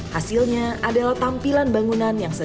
hasilnya adalah tampilan bangunan yang sempur